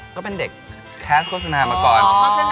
ก็เป็นเด็กแคสโฆษณามาก่อน